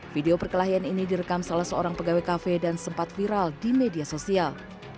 video perkelahian ini direkam salah seorang pegawai kafe dan sempat viral di media sosial